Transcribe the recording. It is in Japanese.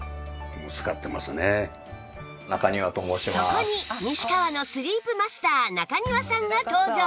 そこに西川のスリープマスター中庭さんが登場